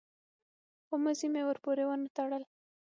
خو مزي مې ورپورې ونه تړل.